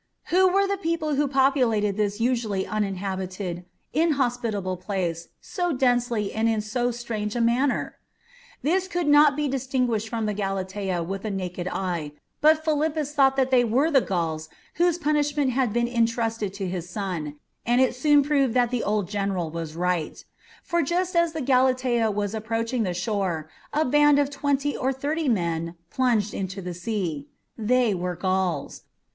Who were the people who populated this usually uninhabited, inhospitable place so densely and in so strange a manner? This could not be distinguished from the Galatea with the naked eye, but Philippus thought that they were the Gauls whose punishment had been intrusted to his son, and it soon proved that the old general was right; for just as the Galatea was approaching the shore, a band of twenty or thirty men plunged into the sea. They were Gauls.